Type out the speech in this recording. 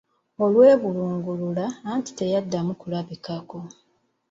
Olwebulungulula ati teyaddamu kulabikako.